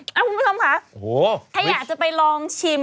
คุณผู้ชมค่ะถ้าอยากจะไปลองชิม